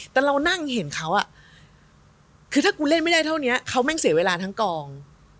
แต่เรานั่งเห็นเขาคือถ้ากูเล่นไม่ได้เท่านี้เขาแม่งเสียเวลาทั้งกอง